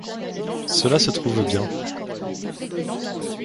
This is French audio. Cela se trouve bien.